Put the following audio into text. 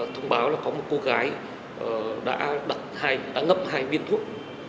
thông báo là có một cô gái đã đặt ngấp hai viên thuốc